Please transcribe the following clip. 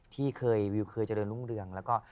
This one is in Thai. ที่เคยวิวเคยเจริญรุ่งเรืองแล้วก็